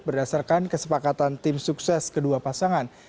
berdasarkan kesepakatan tim sukses kedua pasangan